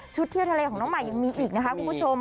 เที่ยวทะเลของน้องใหม่ยังมีอีกนะคะคุณผู้ชม